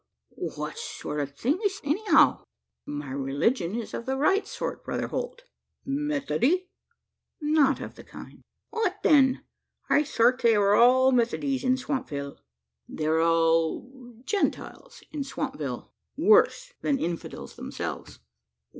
Wal what sort o' thing is't anyhow?" "My religion is of the right sort, Brother Holt." "Methody?" "Nothing of the kind." "What then? I thort they wur all Methodies in Swampville?" "They're all Gentiles in Swampville worse than infidels themselves."